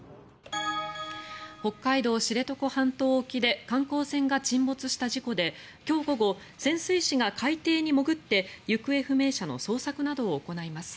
北海道・知床半島沖で観光船が沈没した事故で今日午後、潜水士が海底に潜って行方不明者の捜索などを行います。